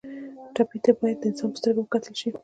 ټپي ته باید د انسان په سترګه وکتل شي.